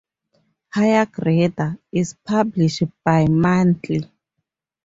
"HighGrader" is published bi-monthly.